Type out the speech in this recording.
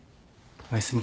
おやすみ。